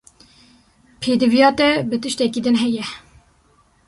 Pêdiviya te bi tiştekî din heye?